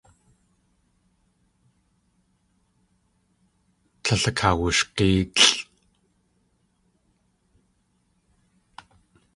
Tlél akawushg̲éelʼ.